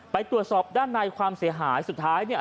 ไปตรวจสอบด้านในความเสียหายสุดท้ายเนี่ย